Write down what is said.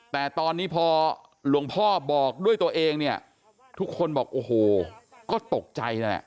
แต่ตอนนี้พอหลวงพ่อบอกด้วยตัวเองเนี่ยทุกคนบอกโอ้โหก็ตกใจนั่นแหละ